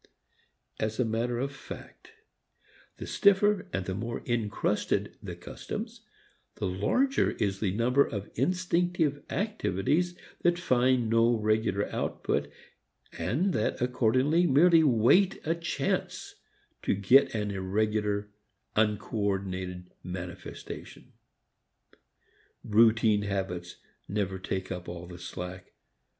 As matter of fact, the stiffer and the more encrusted the customs, the larger is the number of instinctive activities that find no regular outlet and that accordingly merely await a chance to get an irregular, uncoordinated manifestation. Routine habits never take up all the slack.